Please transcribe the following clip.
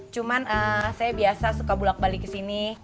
cuman saya biasa suka bulak balik ke sini